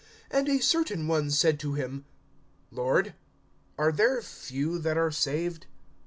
(23)And a certain one said to him: Lord, are there few that are saved?